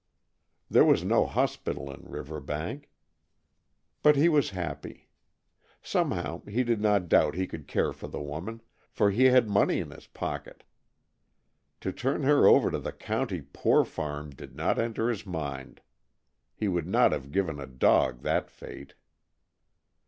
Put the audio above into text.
There was no hospital in Riverbank. But he was happy. Somehow, he did not doubt he could care for the woman, for he had money in his pocket. To turn her over to the county poor farm did not enter his mind. He would not have given a dog that fate.